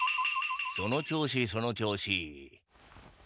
その調子その調子。